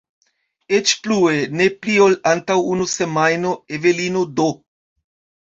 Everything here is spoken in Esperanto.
Eĉ plue, ne pli ol antaŭ unu semajno Evelino D.